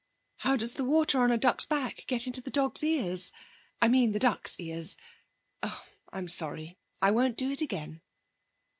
'How does the water on a duck's back get into the dog's ears? I mean the duck's ears. Oh, I'm sorry. I won't do it again.'